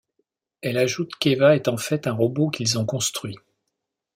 Elle ajoute qu’Eva est en fait un robot qu’ils ont construit.